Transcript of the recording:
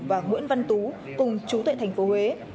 và nguyễn văn tú cùng chú tại thành phố huế